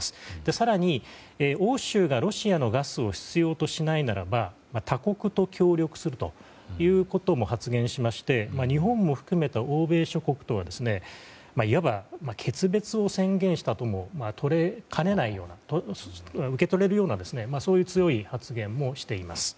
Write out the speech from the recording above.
更に、欧州がロシアのガスを必要としないならば他国と協力するということも発言しまして日本も含めた欧米諸国とはいわば、決別を宣言したとも受け取れるようなそういう強い発言もしています。